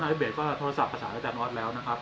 น้ำพิบเบจก็โทรศัพภาษาแล้วแต่นอรดแล้วนะครับ